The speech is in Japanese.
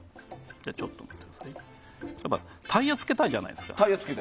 タイヤつけたいじゃないですか。